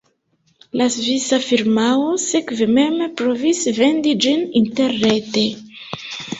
La svisa firmao sekve mem provis vendi ĝin interrete.